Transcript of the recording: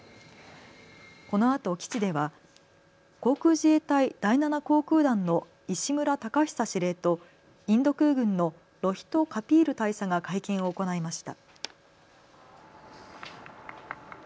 このあと基地では航空自衛隊第７航空団の石村尚久司令とインド空軍のロヒト・カピール大佐が会見を行いました。